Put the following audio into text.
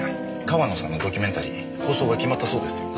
川野さんのドキュメンタリー放送が決まったそうですよ。